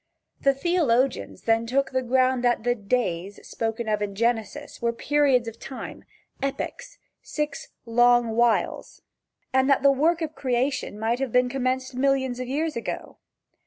The theologians then took the ground that the "days" spoken of in Genesis were periods of time, epochs, six "long whiles," and that the work of creation might have been commenced millions of years ago.